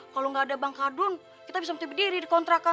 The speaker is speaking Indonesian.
kalo gak ada bang kardun kita bisa muntah berdiri di kontrakan